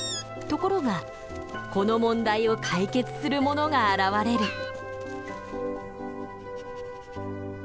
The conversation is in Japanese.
ところがこの問題を解決するものが現れる。